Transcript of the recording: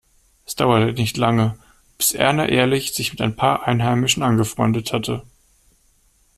Es dauerte nicht lange, bis Erna Ehrlich sich mit ein paar Einheimischen angefreundet hatte.